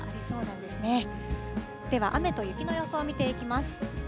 では、雨と雪の予想を見ていきます。